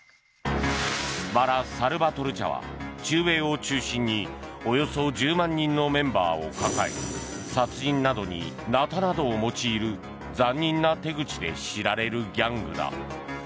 マラ・サルバトルチャは中米を中心におよそ１０万人のメンバーを抱え殺人などにナタなどを用いる残忍な手口で知られるギャングだ。